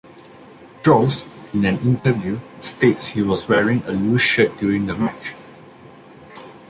Droz, in an interview, states he was wearing a loose shirt during the match.